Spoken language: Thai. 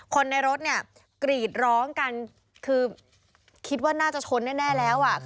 คนในรถเนี่ยกรีดร้องกันคือคิดว่าน่าจะชนแน่แล้วอ่ะ